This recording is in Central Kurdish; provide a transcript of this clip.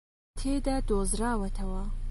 تێدا دۆزراوەتەوە